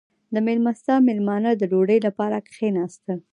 • د میلمستیا مېلمانه د ډوډۍ لپاره کښېناستل.